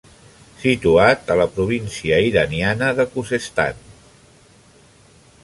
Situat a la província iraniana de Khuzestan.